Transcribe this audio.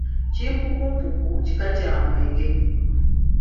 Kimpukumpuku kika kya mwenge.